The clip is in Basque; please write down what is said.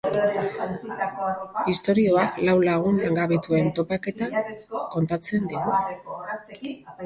Istorioak lau lagun langabetuen topaketa kontatzen digu.